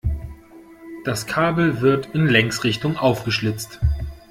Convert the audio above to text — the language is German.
Das Kabel wird in Längsrichtung aufgeschlitzt.